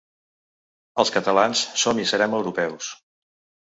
Els catalans som i serem europeus.